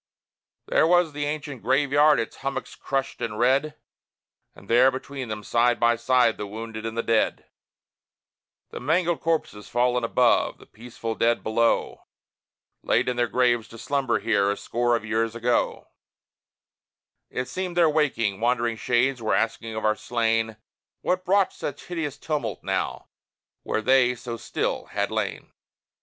There was the ancient graveyard, its hummocks crushed and red, And there, between them, side by side, the wounded and the dead: The mangled corpses fallen above, the peaceful dead below, Laid in their graves, to slumber here, a score of years ago; It seemed their waking, wandering shades were asking of our slain, What brought such hideous tumult now where they so still had lain!